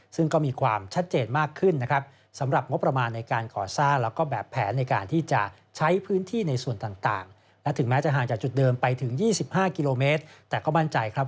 ซึ่งก็มีความชัดเจนมากขึ้นนะครับ